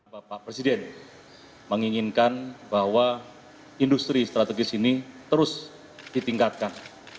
bapak presiden menginginkan bahwa industri strategis ini terus ditingkatkan